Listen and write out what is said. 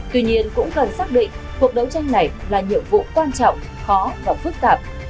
tuy nhiên cũng cần xác định cuộc đấu tranh này là nhiệm vụ quan trọng khó và phức tạp